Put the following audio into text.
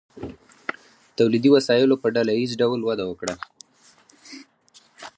تولیدي وسایلو په ډله ایز ډول وده وکړه.